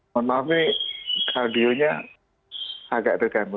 mohon maaf ini radionya agak terganggu